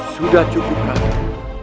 sudah cukup raden